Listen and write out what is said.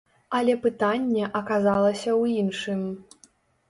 Але пытанне аказалася ў іншым.